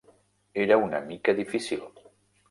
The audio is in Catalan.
Era una mica difícil.